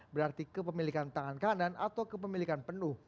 berarti kepemilikan tangan kanan atau kepemilikan penuh